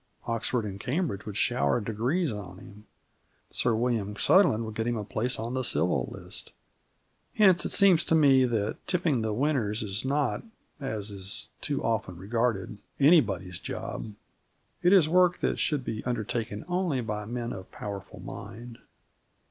Oxford and Cambridge would shower degrees on him. Sir William Sutherland would get him a place on the Civil List. Hence it seems to me that tipping the winners is not, as is too often regarded, "anybody's job": it is work that should be undertaken only by men of powerful mind.